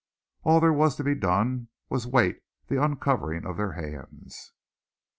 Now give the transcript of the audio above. All there was to be done was wait the uncovering of their hands.